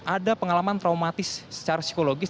ada pengalaman traumatis secara psikologis